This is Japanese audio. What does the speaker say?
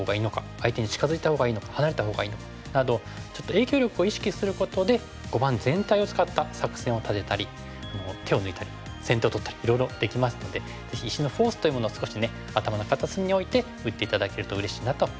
相手に近づいたほうがいいのか離れたほうがいいのかなどちょっと影響力を意識することで碁盤全体を使った作戦を立てたり手を抜いたり先手を取ったりいろいろできますのでぜひ石のフォースというものを少し頭の片隅に置いて打って頂けるとうれしいなと思います。